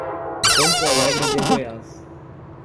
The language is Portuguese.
Campo Alegre de Goiás